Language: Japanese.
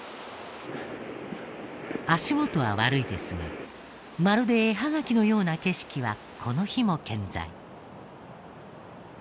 足元は悪いですがまるで絵はがきのような景色はこの日も健在。